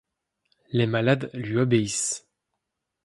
Les malades lui obéissent.